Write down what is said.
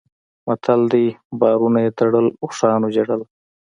متل دی: بارونه یې تړل اوښانو ژړل.